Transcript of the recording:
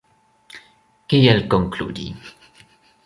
Kiel konkludi?